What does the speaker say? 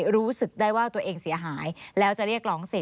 รู้สึกได้ว่าตัวเองเสียหาย